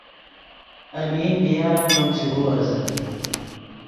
المین بی یار ام ڤیم چے بیورزے